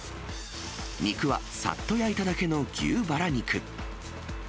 肉はさっと焼いただけの牛バラ肉。